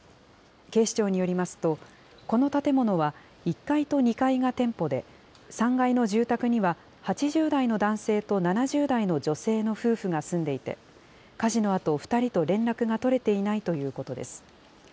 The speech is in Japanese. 警視庁によりますと、この建物は、１階と２階が店舗で、３階の住宅には８０代の男性と７０代の女性の夫婦が住んでいて、火事のあと、２人と連絡が取れていないということです。